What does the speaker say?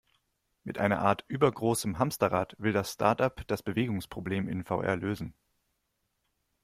Mit einer Art übergroßem Hamsterrad, will das Startup das Bewegungsproblem in VR lösen.